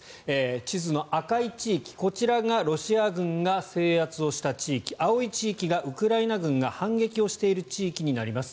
地図の赤い地域、こちらがロシア軍が制圧をした地域青い地域がウクライナ軍が反撃をしている地域になります。